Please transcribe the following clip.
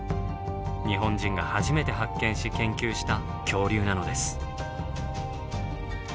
日本人が初めて発見し研究した恐竜なのです。